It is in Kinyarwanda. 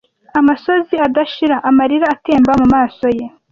Amosozi adashira amarira atemba mumaso ye.